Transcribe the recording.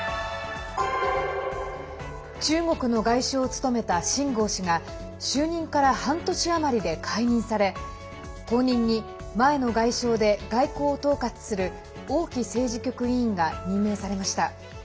中国の外相を務めた秦剛氏が就任から半年余りで解任され後任に、前の外相で外交を統括する王毅政治局委員が任命されました。